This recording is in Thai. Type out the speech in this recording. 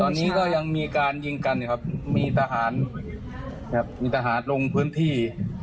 ตอนนี้ก็ยังมีการยิงกันครับมีทหารลงพื้นที่